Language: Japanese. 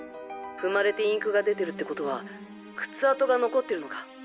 踏まれてインクが出てるって事は靴跡が残ってるのか？